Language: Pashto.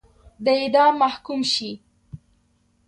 د اعدام محکوم شي.